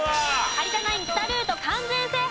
有田ナイン北ルート完全制覇。